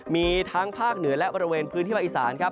มีทั้งภาคเหนือและบริเวณพื้นที่ภาคอีสานครับ